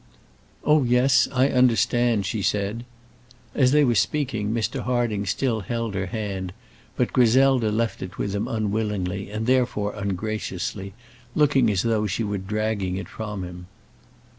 "Oh, yes, I understand," she said. As they were speaking Mr. Harding still held her hand, but Griselda left it with him unwillingly, and therefore ungraciously, looking as though she were dragging it from him.